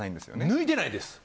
抜いてないです。